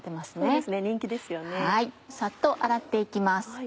サッと洗って行きます。